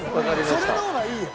それの方がいいよ。